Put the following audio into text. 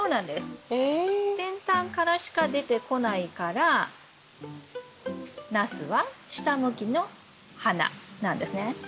先端からしか出てこないからナスは下向きの花なんですね。